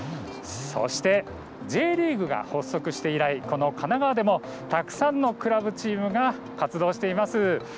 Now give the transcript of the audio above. そしてＪリーグが発足して以来この神奈川でもたくさんのクラブチームが活動しています。